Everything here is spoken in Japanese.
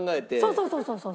そうそうそうそう。